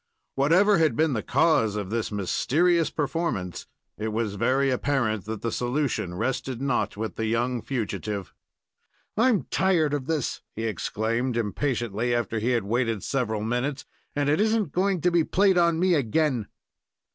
Whatever had been the cause of this mysterious performance, it was very apparent that the solution rested not with the young fugitive. "I'm tired of this," he exclaimed, impatiently, after he had waited several minutes, "and it is n't going to be played on me again."